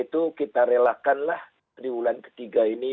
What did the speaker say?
itu kita relakanlah tribulan ketiga ini